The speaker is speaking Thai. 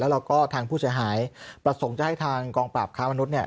แล้วก็ทางผู้เสียหายประสงค์จะให้ทางกองปราบค้ามนุษย์เนี่ย